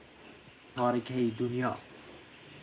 تارکه دنیا